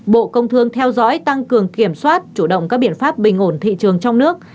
bộ công thương theo dõi tăng cường kiểm soát chủ động các biện pháp bình ổn thị trường trong nước